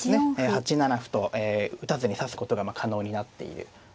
８七歩と打たずに指すことが可能になっているわけなんですよね。